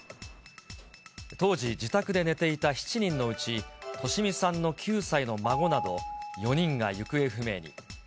当時、自宅で寝ていた７人のうち、利美さんの９歳の孫など４人が行方不明に。